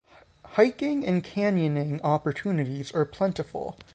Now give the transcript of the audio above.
Hiking and canyoning opportunities are plentiful.